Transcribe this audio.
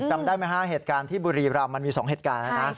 จำได้ไหมฮะเหตุการณ์ที่บุรีรำมันมี๒เหตุการณ์แล้วนะ